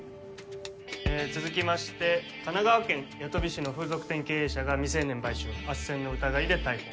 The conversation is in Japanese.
えぇ続きまして神奈川県八飛市の風俗店経営者が未成年売春あっせんの疑いで逮捕。